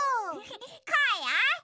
こうよ。